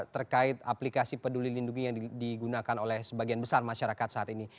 terkait aplikasi peduli lindungi yang digunakan oleh sebagian besar masyarakat saat ini